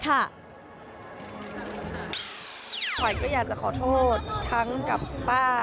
ขวัญก็อยากจะขอโทษทั้งกับป้า